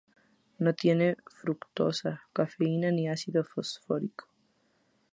No contiene fructosa, cafeína ni ácido fosfórico.